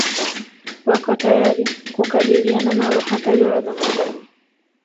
Wako tayari kukabiliana nalo hata liwe la namna gani